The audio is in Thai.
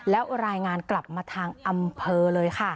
แล้วรายงานกลับมาทางอำเภอเลยค่ะ